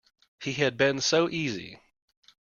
He had been so easy.